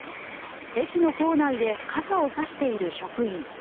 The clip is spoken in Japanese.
駅の構内で傘を差している職員。